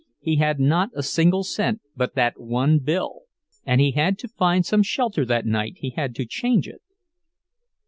He had not a single cent but that one bill! And he had to find some shelter that night he had to change it!